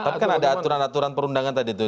tapi kan ada aturan aturan perundangan tadi tuh